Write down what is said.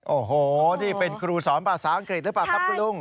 โอ้โหนี่เป็นครูสอนภาษาอังกฤษหรือเปล่าครับคุณลุง